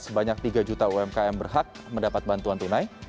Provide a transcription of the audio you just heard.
sebanyak tiga juta umkm berhak mendapat bantuan tunai